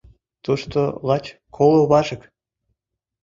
Тушто лач коло важык.